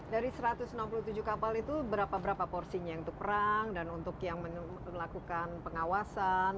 dari satu ratus enam puluh tujuh kapal itu berapa berapa porsinya untuk perang dan untuk yang melakukan pengawasan